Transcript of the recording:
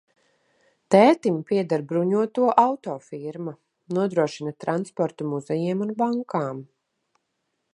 Tētim pieder bruņoto auto firma, nodrošina transportu muzejiem un bankām.